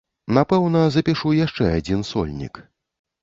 Напэўна, запішу яшчэ адзін сольнік.